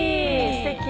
すてき。